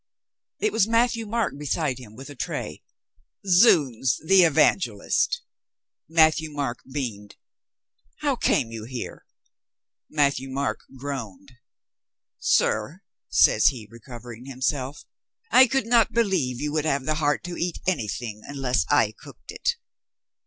It was Matthieu Marc beside him with a tray. "Zounds, the Evangelist!" Matthieu Marc beamed. "How came you here?" Matthieu Marc groaned. "Sir," says he, recovering himself, "I could not believe you would have the heart to eat anything un less I cooked it."